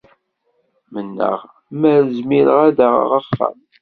Mennaɣ mer zmireɣ ad d-aɣeɣ axxam.